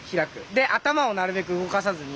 で頭をなるべく動かさずに。